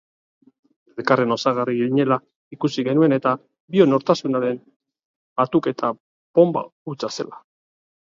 Elkarren osagarri ginela ikusi genuen eta bion nortasunaren batuketa bonba hutsa zela.